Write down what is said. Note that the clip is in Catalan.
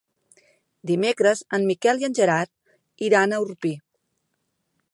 Dimecres en Miquel i en Gerard iran a Orpí.